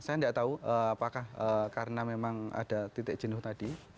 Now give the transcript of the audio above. saya tidak tahu apakah karena memang ada titik jenuh tadi